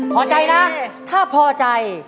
พอใจนะถ้าพอใจ